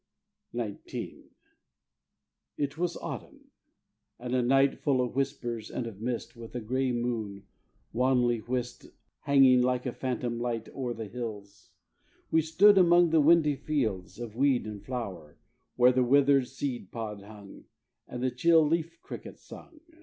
XIX. It was autumn: and a night, Full of whispers and of mist, With a gray moon, wanly whist, Hanging like a phantom light O'er the hills. We stood among Windy fields of weed and flower, Where the withered seed pod hung, And the chill leaf crickets sung.